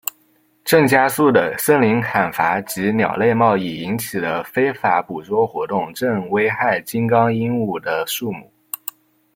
正加速的森林砍伐及鸟类贸易引起的非法捕捉活动正危害金刚鹦鹉的数目。